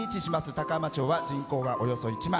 高浜町は人口が、およそ１万。